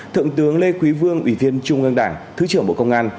thượng tướng lê quý vương ủy viên trung ương đảng thứ trưởng bộ công an